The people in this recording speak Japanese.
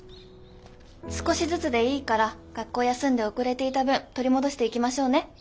少しずつでいいから学校休んで遅れていた分取り戻していきましょうね。